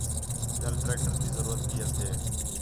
ٻِیال ٹریکٹر تی ضرورت بھی ہَتھے